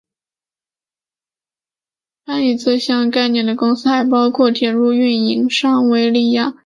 参与这项概念的公司还包括铁路运营商威立雅运输和建筑企业斯堪斯卡。